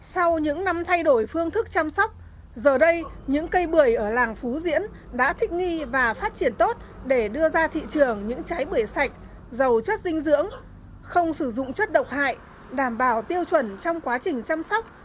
sau những năm thay đổi phương thức chăm sóc giờ đây những cây bưởi ở làng phú diễn đã thích nghi và phát triển tốt để đưa ra thị trường những trái bưởi sạch giàu chất dinh dưỡng không sử dụng chất độc hại đảm bảo tiêu chuẩn trong quá trình chăm sóc